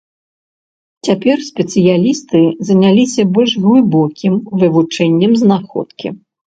Цяпер спецыялісты заняліся больш глыбокім вывучэннем знаходкі.